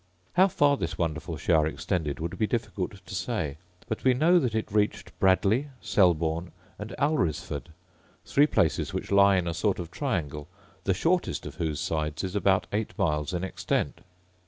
How far this wonderful shower extended would be difficult to say; but we know that it reached Bradley, Selborne, and Alresford, three places which lie in a sort of a triangle, the shortest of whose sides is about eight miles in extent.